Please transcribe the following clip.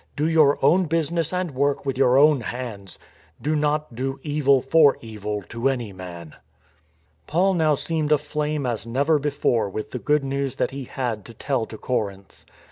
Do your own business and work with your own hands. ... Do not do evil for evil to any man." Paul now seemed aflame as never before with the Good News that he had to tell to Corinth.